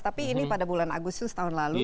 tapi ini pada bulan agustus tahun lalu